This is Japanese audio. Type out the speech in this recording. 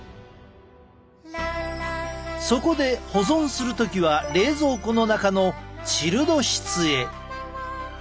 そこで保存する時は冷蔵庫の中のチルド室へ。